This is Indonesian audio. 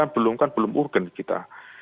belum kan belum urgen kita